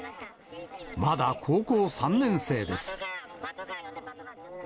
まだ高校３年生です。